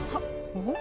おっ！